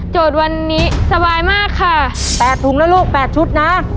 โจทย์วันนี้สบายมากค่ะแปดถุงแล้วลูกแปดชุดน้า